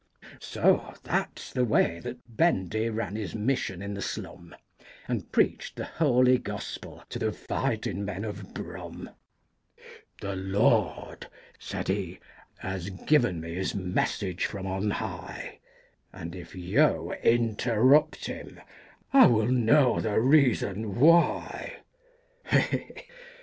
So that's the way that Bendy ran his mission in the slum, And preached the Holy Gospel to the fightin' men of Brum, "The Lord," said he, "has given me His message from on high, And if you interrupt Him, I will know the reason why."